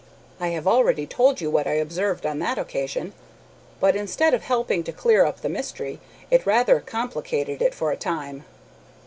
I have already told you what I observed on that occasion. But, instead of helping to clear up the mystery, it rather complicated it for a time.